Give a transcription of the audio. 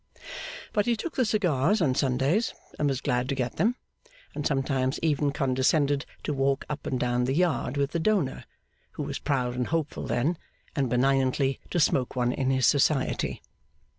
But he took the cigars, on Sundays, and was glad to get them; and sometimes even condescended to walk up and down the yard with the donor (who was proud and hopeful then), and benignantly to smoke one in his society.